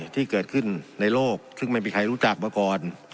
ที่เกิดขึ้นในโลกซึ่งไม่มีใครรู้จักมาก่อน